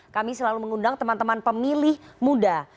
kami selalu mengundang teman teman pemilih muda